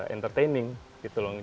entertaining gitu loh